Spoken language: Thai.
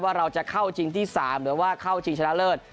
ว่าเราจะเข้าชิงที่๓หรือว่าเข้าชิงชนะเลิศ